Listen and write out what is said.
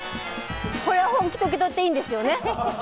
これは本気と受け取っていいんですよね。